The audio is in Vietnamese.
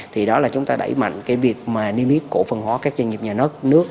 thì đó là chúng ta đẩy mạnh cái việc mà niêm yết cổ phần hóa các doanh nghiệp nhà nước